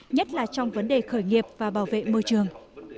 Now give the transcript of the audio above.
nhất là trong vấn đề khởi nghiệp và bảo vệ môi trường